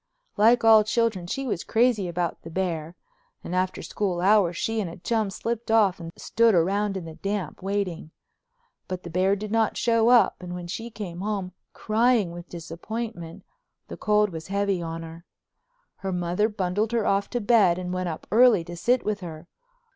Like all children, she was crazy about the bear, and after school hours she and a chum slipped off and stood around in the damp, waiting. But the bear did not show up and when she came home, crying with disappointment, the cold was heavy on her. Her mother bundled her off to bed and went up early to sit with her.